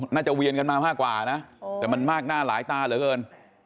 เวียนกันมามากกว่านะแต่มันมากหน้าหลายตาเหลือเกิน